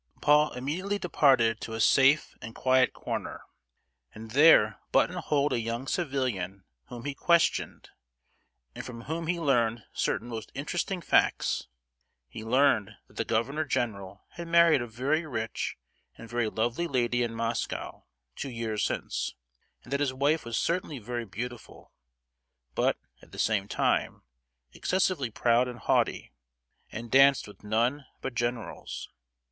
Paul immediately departed to a safe and quiet corner, and there button holed a young civilian whom he questioned, and from whom he learned certain most interesting facts. He learned that the governor general had married a very rich and very lovely lady in Moscow, two years since; that his wife was certainly very beautiful, but, at the same time, excessively proud and haughty, and danced with none but generals.